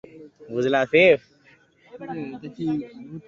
প্রেমের ব্যাপারে ধৈর্য ধরে এগোন, শেষ পর্যন্ত ফলাফল আপনার অনুকূলেই যাবে।